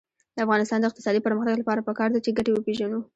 د افغانستان د اقتصادي پرمختګ لپاره پکار ده چې ګټې وپېژنو.